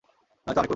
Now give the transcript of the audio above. নয়তো আমি করব।